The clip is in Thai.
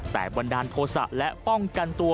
แต่บันดาลโทษะและป้องกันตัว